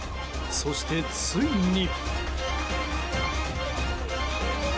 そして、ついに。